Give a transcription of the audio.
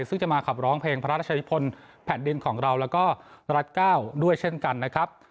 ซึ่งจะมาขับร้องเพลงพระราชนิพลแผ่นดินของเราแล้วก็รัฐ๙ด้วยเช่นกันนะครับ